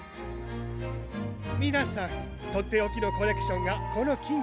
みなさんとっておきのコレクションがこのきんこに。